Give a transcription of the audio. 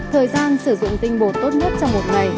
thời gian sử dụng tinh bột tốt nhất trong một ngày